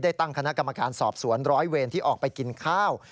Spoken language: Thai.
ตั้งคณะกรรมการสอบสวนร้อยเวรที่ออกไปกินข้าว